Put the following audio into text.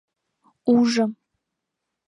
— Ужым.